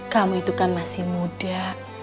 kamu itu kan masih muda